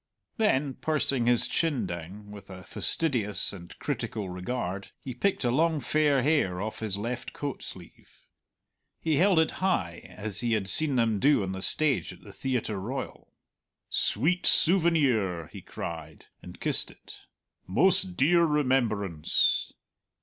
Then pursing his chin down, with a fastidious and critical regard, he picked a long fair hair off his left coat sleeve. He held it high as he had seen them do on the stage of the Theatre Royal. "Sweet souvenir!" he cried, and kissed it, "most dear remembrance!"